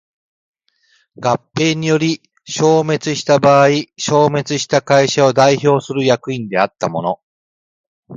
合併により消滅した場合消滅した会社を代表する役員であった者